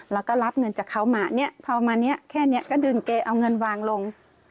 แล้วก็รับเงินจากเขามาพอมาแค่นี้ก็ดึงเกลียดเอาเงินวางลง